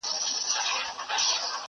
دوې کښتۍ مي وې نجات ته درلېږلي!